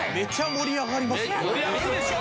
盛り上がるでしょ？